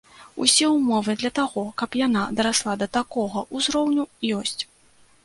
Усе ўмовы для таго, каб яна дарасла да такога ўзроўню, ёсць.